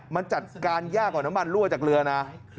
มันจัดการยากกว่าน้ำมันรั่วจากเรือนะ